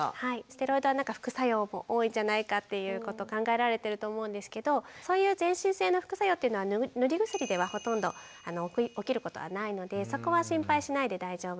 ステロイドは副作用も多いんじゃないかということ考えられてると思うんですけどそういう全身性の副作用というのは塗り薬ではほとんど起きることはないのでそこは心配しないで大丈夫です。